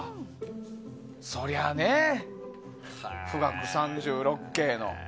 そりゃあね「富嶽三十六景」の。